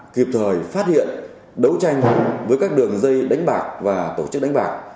kịp thời phát hiện đấu tranh với các đường dây đánh bạc và tổ chức đánh bạc